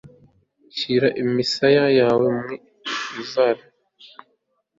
shyira imisaya yawe mu ivara